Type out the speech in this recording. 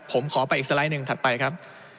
ผมขอไปอีกสไลด์หนึ่งถัดไปครับ